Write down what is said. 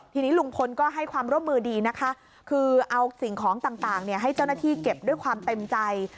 ทีนี้ลุงพลก็ให้ความร่วมมือดีนะคะคือเอาสิ่งของต่างให้เจ้าหน้าที่เก็บด้วยความเต็มใจ